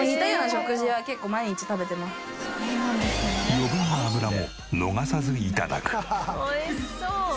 余分な脂も逃さず頂く。